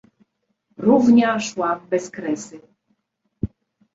Równia szła w bezkresy.